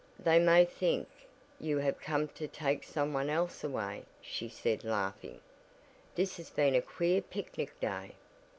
"They may think you have come to take someone else away," she said laughing. "This has been a queer picnic day."